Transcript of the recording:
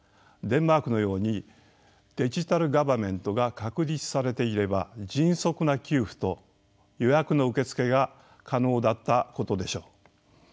デンマークのようにデジタル・ガバメントが確立されていれば迅速な給付と予約の受付が可能だったことでしょう。